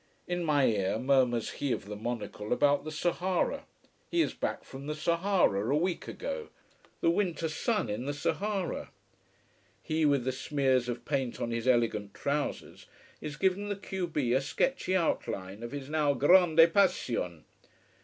In my ear murmurs he of the monocle about the Sahara he is back from the Sahara a week ago: the winter sun in the Sahara! He with the smears of paint on his elegant trousers is giving the q b a sketchy outline of his now grande passion.